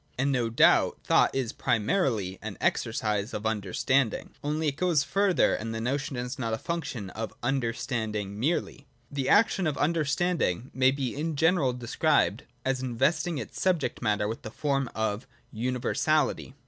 And no doubt thought is primarily an exercise of Understanding: — only it goes further, and the notion is not a function of Understanding merely. The action of Understanding may be in general described as investing its subject matter with the form of universality.